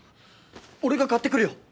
俺が買ってくるよ。